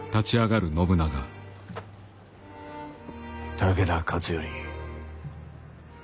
武田勝頼